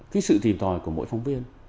cái sự tìm tòi của mỗi phóng viên